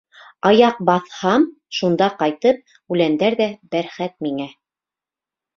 Аяҡ баҫһам шунда ҡайтып, Үләндәр ҙә бәрхәт миңә.